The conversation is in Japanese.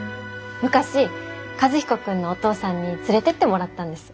昔和彦君のお父さんに連れてってもらったんです。